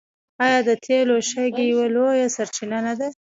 آیا د تیلو شګې یوه لویه سرچینه نه ده؟